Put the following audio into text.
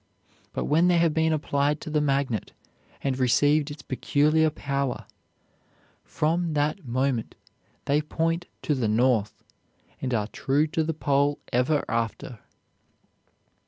But when they have been applied to the magnet and received its peculiar power, from that moment they point to the north, and are true to the pole ever after.